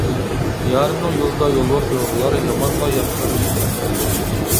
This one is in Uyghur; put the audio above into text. يارىمنىڭ يولىدا يولۋاس يورغىلار، يامانغا ياخشىلار يېقىن يار-يۆلەك.